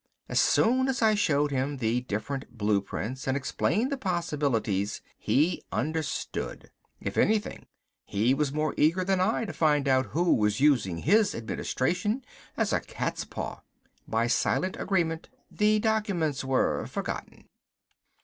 As soon as I showed him the different blueprints and explained the possibilities he understood. If anything, he was more eager than I was to find out who was using his administration as a cat's paw. By silent agreement the documents were forgotten.